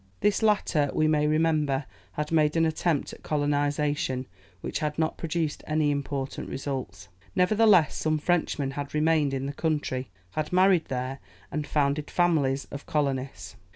This latter, we may remember, had made an attempt at colonization, which had not produced any important results. Nevertheless, some Frenchmen had remained in the country, had married there, and founded families of colonists.